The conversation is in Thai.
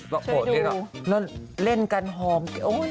แล้วเล่นกันฮอม